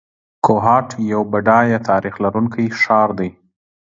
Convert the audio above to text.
کوهاټ یو بډایه تاریخ لرونکی ښار دی.